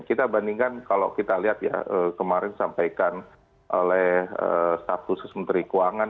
kita bandingkan kalau kita lihat ya kemarin disampaikan oleh staf khusus menteri keuangan